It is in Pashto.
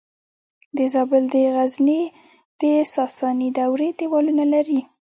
د زابل د غزنیې د ساساني دورې دیوالونه لري